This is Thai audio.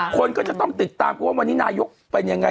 คนก็จะต้องติดตามกันว่าวันนี้นายกเป็นยังไง